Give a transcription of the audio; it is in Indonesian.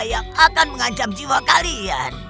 yang akan mengancam jiwa kalian